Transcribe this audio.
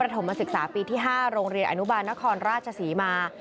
ถมศึกษาปีที่๕โรงเรียนอนุบาลนครราชศรีมา